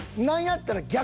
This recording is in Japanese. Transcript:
何やったら。